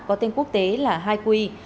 có tên quốc tế là haikui